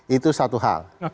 itu satu hal